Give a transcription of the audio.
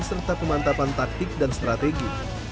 serta pemantapan taktik dan strategi